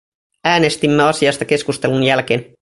Äänestimme asiasta keskustelun jälkeen.